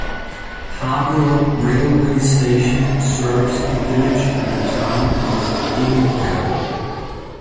Habrough railway station serves the village and the town of Immingham.